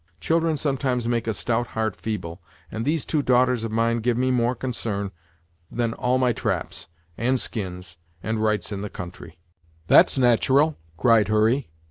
Children sometimes make a stout heart feeble, and these two daughters of mine give me more concern than all my traps, and skins, and rights in the country." "That's nat'ral!" cried Hurry.